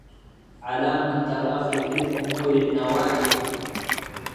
علام التراخي في الأمور النوائب